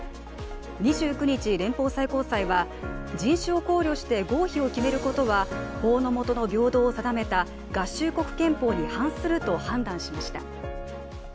２９日、連邦最高裁は人種を考慮して合否を決めることは法の下の平等を定めた合衆国憲法に反すると判断しました。